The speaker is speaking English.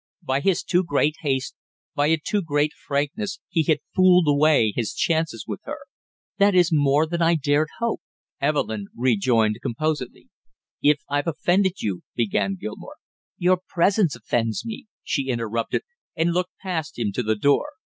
By his too great haste, by a too great frankness he had fooled away his chances with her. "That is more than I dared hope," Evelyn rejoined composedly. "If I've offended you " began Gilmore. "Your presence offends me," she interrupted and looked past him to the door.